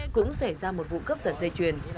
cũng xảy ra một vụ cướp sợi dây chuyền